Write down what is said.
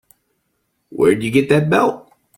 Where'd you get that belt?